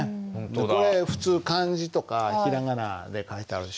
これ普通漢字とか平仮名で書いてあるでしょ。